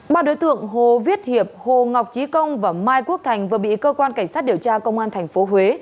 ba đối tượng hồ viết hiệp hồ ngọc trí công và mai quốc thành vừa bị cơ quan cảnh sát điều tra công an tp huế